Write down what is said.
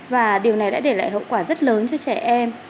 và điều này đã để lại hậu quả rất lớn cho trẻ em